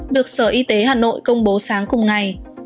được sở y tế hà nội công bố sáng cùng ngày